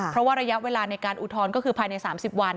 เพราะว่าระยะเวลาในการอุทธรณ์ก็คือภายใน๓๐วัน